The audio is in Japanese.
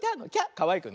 かわいくね。